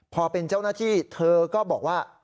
พอเป็นเจ้าหน้าที่เธอก็บอกว่า